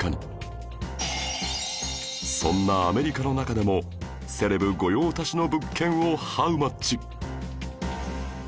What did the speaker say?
そんなアメリカの中でもセレブ御用達の物件をハウマッチ